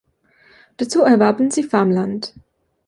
Dazu erwarben sie Farmland.